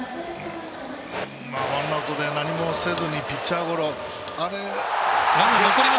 ワンアウトで何もせずにピッチャーゴロ、あれ。